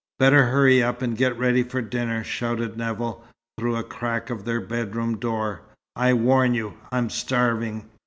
"Better hurry up and get ready for dinner!" shouted Nevill, through a crack of their bedroom door. "I warn you, I'm starving!"